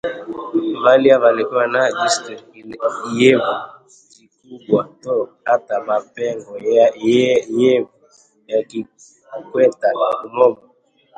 Valya valikuwa na jisitu, lyevu jikubwa too, hata mapengo yevu yakikweta umomo